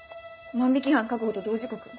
万引犯確保と同時刻。